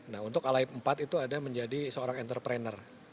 nah untuk alaib empat itu ada menjadi seorang entrepreneur